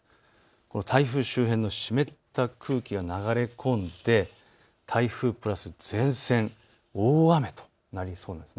この台風周辺の湿った空気が流れ込んで台風プラス前線、大雨となりそうなんです。